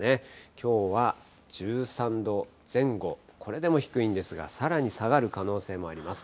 きょうは１３度前後、これでも低いんですが、さらに下がる可能性もあります。